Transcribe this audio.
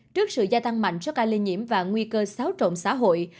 trước sự gia tăng mạnh cho ca lây nhiễm và nguy cơ xáo trộm xã hội